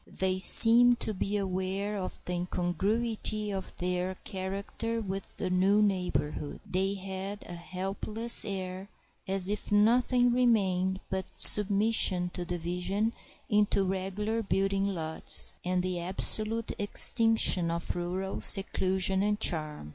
They seemed to be aware of the incongruity of their character with the new neighborhood. They had a helpless air, as if nothing remained but submission to division into regular building lots and the absolute extinction of rural seclusion and charm.